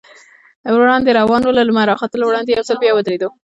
وړاندې روان و، له لمر راختو وړاندې یو ځل بیا ودرېدو.